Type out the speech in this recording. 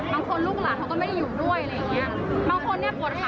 บางคนลูกหลักเขาก็ไม่ได้อยู่ด้วยบางคนปวดขาปวดเข่า